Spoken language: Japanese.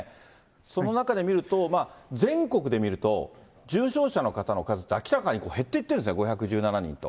その中で見ると、全国で見ると、重症者の方の数って明らかに減っていってるんですね、５１７人と。